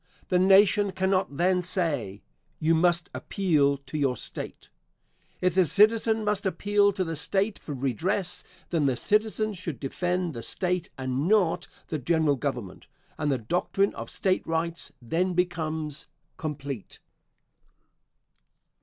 The Nation cannot then say, "You must appeal to your State." If the citizen must appeal to the State for redress, then the citizen should defend the State and not the General Government, and the doctrine of State Rights then becomes complete.